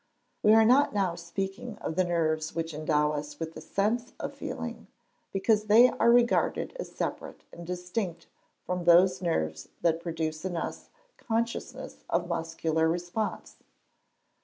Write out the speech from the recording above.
We are not now speaking of the nerves which endow us with the sense of feeling, because they are regarded as separate and distinct from those nerves that produce in us consciousness of muscular response.